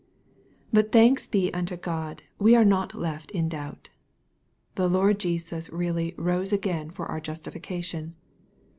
But thanks be unto God, we are not left in doubt. The Lord Jesus really " rose again for our justification."